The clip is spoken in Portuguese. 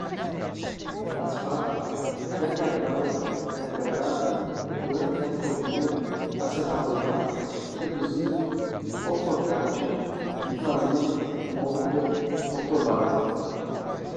caspar, vertebral, vertebrado, laminectomia, acetabular, reduzido, ortognática, invasiva, mórbida, octobase